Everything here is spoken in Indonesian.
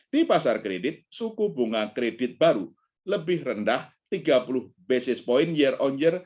di pasar kredit suku bunga kredit baru lebih rendah tiga puluh basis point year on year